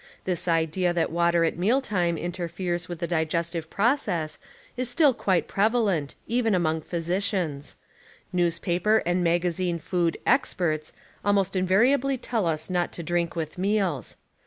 This idea that _..,. water at meal time interferes with the digestive Urinking „.,., process is still quite prevalent, even among pliy , sicians. Newspaper and magazine food "ex perts" almost invariably tell us not to drink with meals.